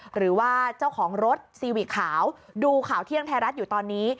หรือว่าเจ้าของรถซีวิกขาวดูข่าวเที่ยงไทยรัฐอยู่ตอนนี้